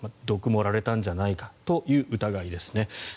毒を盛られたんじゃないかという疑いですね。